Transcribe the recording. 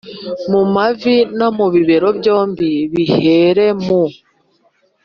mu mavi no ku bibero byombi, bihere mu